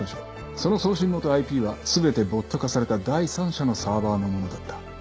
その送信元ＩＰは全てボット化された第三者のサーバーのものだった。